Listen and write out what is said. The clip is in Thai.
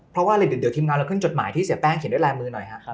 เพราะว่าอะไรเดี๋ยวทีมงานเราขึ้นจดหมายที่เสียแป้งเขียนด้วยลายมือหน่อยครับ